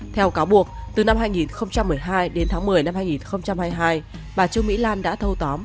theo cáo buộc từ năm hai nghìn một mươi hai đến tháng một mươi năm hai nghìn hai mươi hai bà trương mỹ lan đã thâu tóm